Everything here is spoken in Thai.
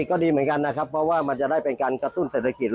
ก็ดีเหมือนกันนะครับเพราะว่ามันจะได้เป็นการกระตุ้นเศรษฐกิจ